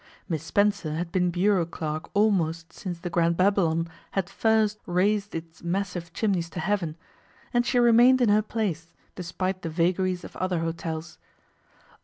Miss Spencer had been bureau clerk almost since the Grand Babylon had first raised its massive chimneys to heaven, and she remained in her place despite the vagaries of other hotels.